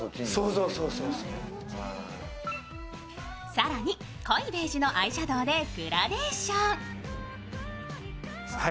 更に濃いベージュのアイシャドウでグラデーション。